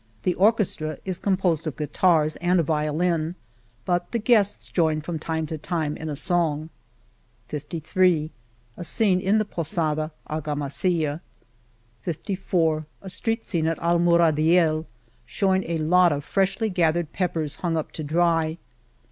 The orchestra is composed of guitars and a violin, but the guests Join from time to time in a song, ,. jo A scene in the Posada, Argamasilla, ..* SS A street scene at Almuradiely showing a lot of freshly gathered peppers hung up to dry